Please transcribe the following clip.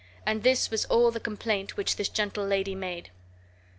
And this was all the complaint which this gentle lady made.